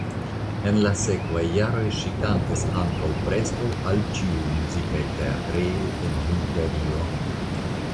En la sekvaj jaroj ŝi kantis ankaŭ preskaŭ al ĉiuj muzikaj teatrejoj en Hungario.